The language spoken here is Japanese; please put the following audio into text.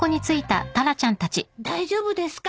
大丈夫ですか？